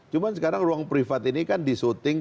cuma sekarang ruang privat ini kan disyuting